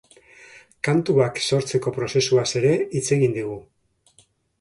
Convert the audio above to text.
Kantuak sortzeko prozesuaz ere hitz egin digu.